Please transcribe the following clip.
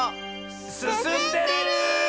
すすんでる！